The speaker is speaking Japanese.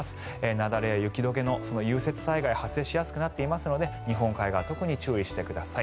雪崩や雪解けの融雪災害発生しやすくなっていますので日本海側特に注意してください。